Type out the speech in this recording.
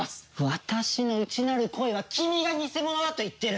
私の内なる声は君が偽者だと言っている！